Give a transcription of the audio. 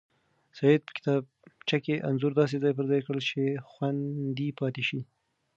سعید په کتابچه کې انځور داسې ځای پر ځای کړ چې خوندي پاتې شي.